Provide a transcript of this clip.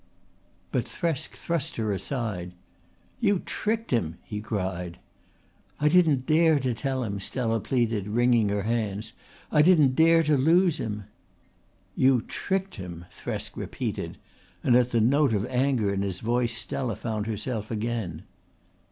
But Thresk thrust her aside. "You tricked him," he cried. "I didn't dare to tell him," Stella pleaded, wringing her hands. "I didn't dare to lose him." "You tricked him," Thresk repeated; and at the note of anger in his voice Stella found herself again.